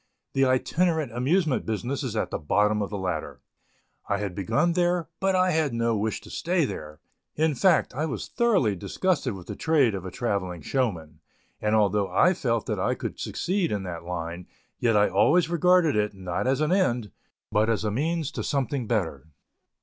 The itinerant amusement business is at the bottom of the ladder. I had begun there, but I had no wish to stay there; in fact, I was thoroughly disgusted with the trade of a travelling showman, and although I felt that I could succeed in that line, yet I always regarded it, not as an end, but as a means to something better.